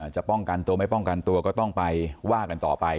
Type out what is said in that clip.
จะป้องกันตัวไม่ป้องกันตัวก็ต้องไปว่ากันต่อไป